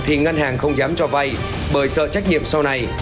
thì ngân hàng không dám cho vay bởi sợ trách nhiệm sau này